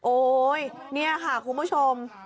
โอ๊ยนี่ค่ะคุณผู้ชม